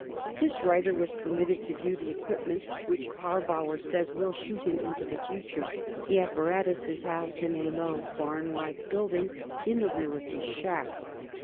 This writer was permitted to view the equipment which Harbauer says will shoot him into the future. The apparatus is housed in a low, barn like building in the rear of his shack.